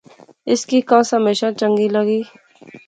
اس کی کانس ہمیشہ چنگی لغی